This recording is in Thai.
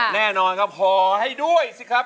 แน่นอนครับห่อให้ด้วยสิครับ